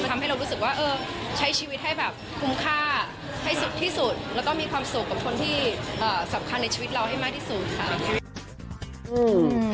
มันทำให้เรารู้สึกว่าเออใช้ชีวิตให้แบบคุ้มค่าให้สุขที่สุด